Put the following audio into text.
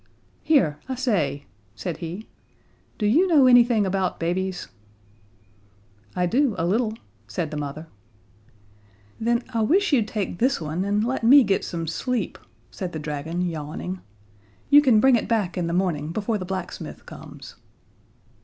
"Here, I say," said he, "do you know anything about babies?" "I do, a little," said the mother. "Then I wish you'd take this one, and let me get some sleep," said the dragon, yawning. "You can bring it back in the morning before the blacksmith comes."